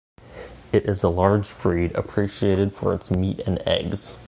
It is a large breed, appreciated for its meat and eggs.